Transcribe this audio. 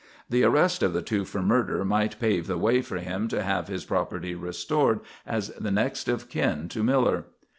The arrest of the two for murder might pave the way for him to have his property restored as the next of kin to Miller.